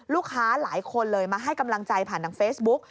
ลูกค้าหลายคนเลยมาให้กำลังใจผ่านทางเฟซบุ๊ก